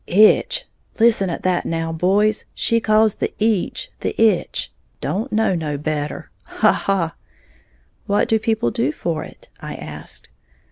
"'Itch', listen at that now, boys, she calls the eech the itch, don't know no better, ha! ha!" "What do people do for it?" I asked.